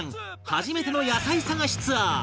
初めての野菜探しツアー